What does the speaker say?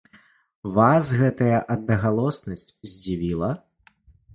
Вас гэтая аднагалоснасць здзівіла?